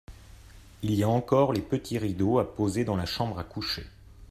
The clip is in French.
Il y a encore les petits rideaux à poser dans la chambre à coucher.